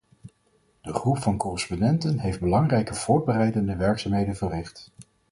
De groep van correspondenten heeft belangrijke voorbereidende werkzaamheden verricht.